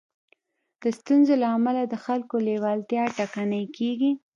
د ستونزو له امله د خلکو لېوالتيا ټکنۍ کېږي.